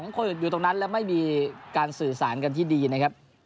คนอยู่ตรงนั้นและไม่มีการสื่อสารกันที่ดีนะครับ